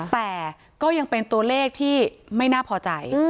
แต่ก็ยังเป็นตัวเลขที่ไม่น่าพอใจ